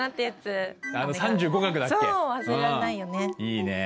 いいね。